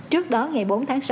trước đó ngày bốn tháng sáu